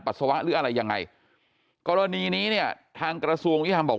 หรืออะไรยังไงกรณีนี้เนี่ยทางกระทรวงยุทธรรมบอก